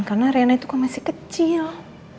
karena rena itu kan masih kecil